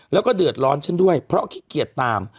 แล้วก็เดือดร้อนฉันด้วยเพราะขี้เกียจตาม